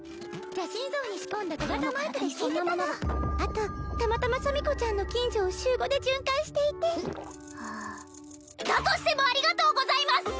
邪神像に仕込んだ小型マイクで聞いてたのあとたまたまシャミ子ちゃんの近所を週５で巡回していてだとしてもありがとうございます！